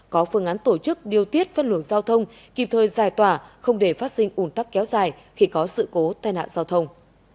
có phương án tổ chức điều tiết phân luận giao thông kịp thời giải tỏa không để phát sinh ủn tắc kéo dài khi có sự cố tai nạn giao thông